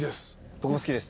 僕も好きです。